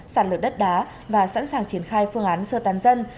sản lược đất đá và sẵn sàng triển khai phương án sơ tàn dân